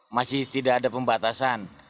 masih tidak ada pembatasan